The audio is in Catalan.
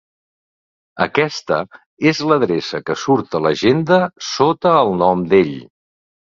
Aquesta és l'adreça que surt a l'agenda sota el nom d'ell.